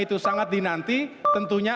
itu sangat dinanti tentunya